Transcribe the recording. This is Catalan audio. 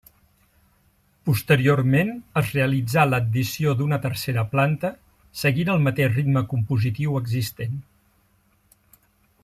Posteriorment es realitzà l'addició d'una tercera planta seguint el mateix ritme compositiu existent.